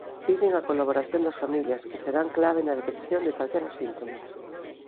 Piden a colaboración das familias que serán clave na detección de calquera síntoma.